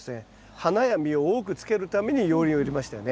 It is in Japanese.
花や実を多くつけるために熔リンを入れましたよね。